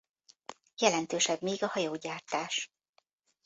Jelentősebb még a hajógyártás.